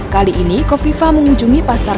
kali ini kofifa mengunjungi pasar